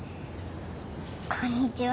こんにちは。